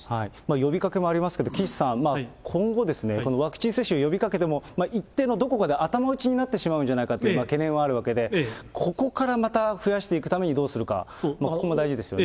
呼びかけはありますけれども、岸さん、今後、ワクチン接種を呼びかけても一帯のどこかで頭打ちになってしまうんじゃないかという懸念はあるわけで、ここからまた増やしていくためにどうするか、ここも大事ですよね。